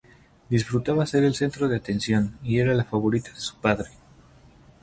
Disfrutaba ser el centro de atención, y era la favorita de su padre.